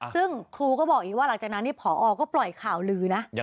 ซึ่งครูก็บอกอีกว่าหลังจากนั้นพอก็ปล่อยข่าวลือนะ